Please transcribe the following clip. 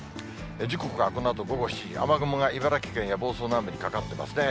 時刻はこのあと午後７時、雨雲が茨城県や房総南部にかかってますね。